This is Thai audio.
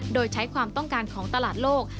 โดยใช้ความต้องการของตลาดโลก